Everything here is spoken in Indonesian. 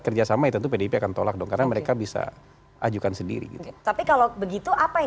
kerjasama ya tentu pdip akan tolak dong karena mereka bisa ajukan sendiri gitu tapi kalau begitu apa yang